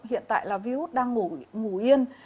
hiện tại là virus đang ngủ yên